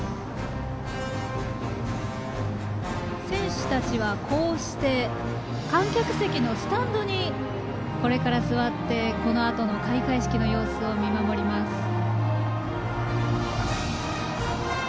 選手たちは、こうして観客席のスタンドにこれから座ってこのあとの開会式の様子を見守ります。